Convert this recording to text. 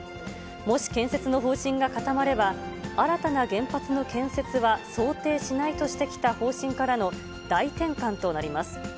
もし建設の方針が固まれば、新たな原発の建設は想定しないとしてきた方針からの大転換となります。